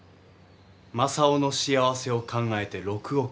正雄の幸せを考えて６億と数年。